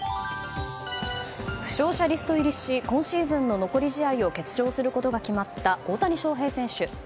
負傷者リスト入りし今シーズンの残り試合を欠場することが決まった大谷翔平選手。